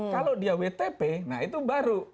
kalau dia wtp nah itu baru